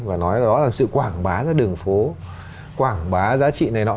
cái đó là sự quảng bá ra đường phố quảng bá giá trị này nọ